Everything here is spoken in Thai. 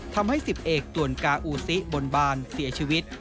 ทำให้๑๐เอกตวนกาอูซิบนบานเสียชีวิต